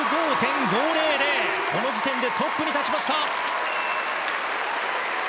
この時点でトップに立ちました。